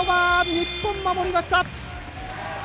日本、守りました。